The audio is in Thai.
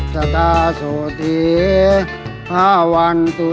สัตตาสุธีห้าวันตุเต